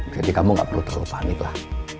jadi kamu gak perlu terlalu panik lah